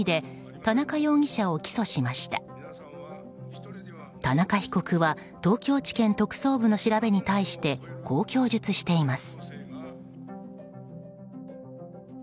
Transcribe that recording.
田中被告は東京地検特捜部の調べに対してこう供述しています。